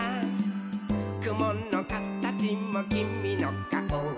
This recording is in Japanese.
「くものかたちもきみのかお」